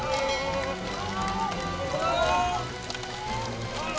assalamualaikum warahmatullahi wabarakatuh